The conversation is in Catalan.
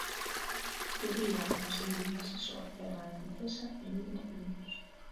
Podria aconseguir un assessor per a l'empresa en vint minuts.